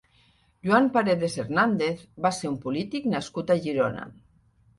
Joan Paredes Hernández va ser un polític nascut a Girona.